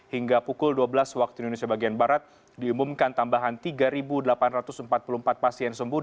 hingga pukul dua belas waktu indonesia bagian barat diumumkan tambahan tiga delapan ratus empat puluh empat pasien sembuh